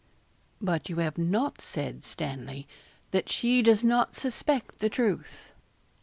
'But you have not said, Stanley, that she does not suspect the truth.'